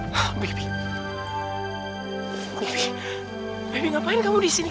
baby apa kamu ada di sini